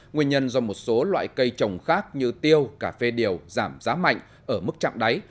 nguyên nhân do một số loại cây trồng khác như tiêu cà phê đều giảm giá mạnh ở mức chạm đáy